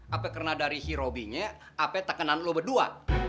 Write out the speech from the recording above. apa karena dari si robi apa tak kenal lo berdua